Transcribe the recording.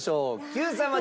Ｑさま！！